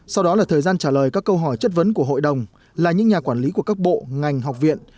sau đó là thời gian trả lời các câu hỏi chất vấn của hội đồng là những nhà quản lý của các bộ ngành học viện